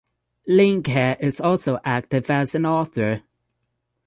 Linke is also active as an author.